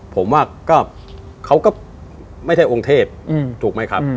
ผมว่าก็เขาก็ไม่ใช่องค์เทพถูกไหมครับ